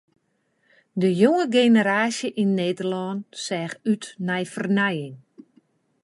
De jonge generaasje yn Nederlân seach út nei fernijing.